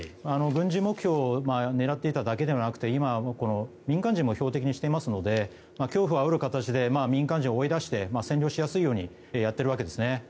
軍事目標を狙っていただけではなくて今、民間人も標的にしていますので恐怖をあおる形で民間人を追い出して占領しやすいようにやっているわけですね。